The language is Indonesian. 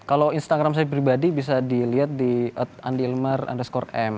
kalau instagram saya pribadi bisa dilihat di andiilmer underscore m